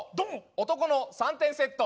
男の３点セット。